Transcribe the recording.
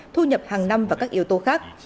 thu nhập hàng năm và các yếu tố khác